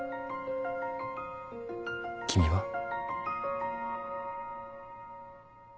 君は？